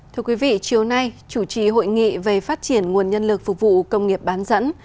thưa quý vị chiều nay chủ trì hội nghị về phát triển nguồn nhân lực phục vụ công nghiệp bán dẫn